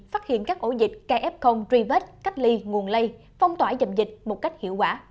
phát hiện các ổ dịch kf trivet cách ly nguồn lây phong tỏa dầm dịch một cách hiệu quả